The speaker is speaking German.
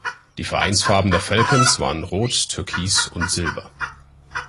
Die Vereinsfarben der "Falcons" waren Rot, Türkis und Silber.